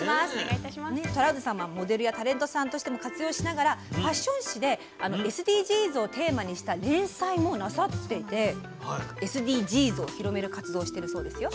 トラウデンさんはモデルやタレントさんとしても活躍しながらファッション誌でＳＤＧｓをテーマにした連載もなさっていてＳＤＧｓを広める活動をしているそうですよ。